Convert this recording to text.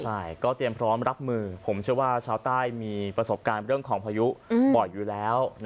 ใช่ก็เตรียมพร้อมรับมือผมเชื่อว่าชาวใต้มีประสบการณ์เรื่องของพายุบ่อยอยู่แล้ว